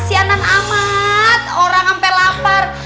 sianan amat orang sampai lapar